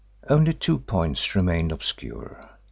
Only two points remained obscure.